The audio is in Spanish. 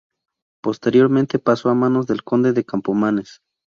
Posteriormente pasó a manos del Conde de Campomanes.